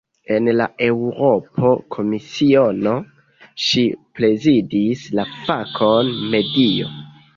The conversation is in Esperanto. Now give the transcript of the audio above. En la Eŭropa Komisiono, ŝi prezidis la fakon "medio".